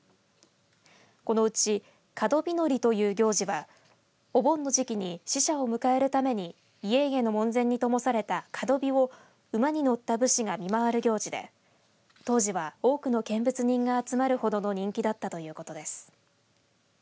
このうち門火乗という行事はお盆の時期に死者を迎えるために家々の門前にともされた門火を馬に乗った武士が見回る行事で当時は多くの見物人が集まるほどの人気だったということです。